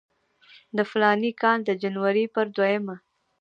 د فلاني کال د جنورۍ پر دویمه.